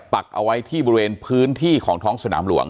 ปักเอาไว้ที่บริเวณพื้นที่ของท้องสนามหลวง